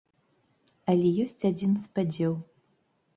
Але ёсць адзін спадзеў.